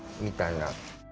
みたいな。